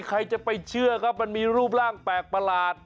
ใครจะไปเชื่อครับมันมีรูปร่างแปลกประหลาด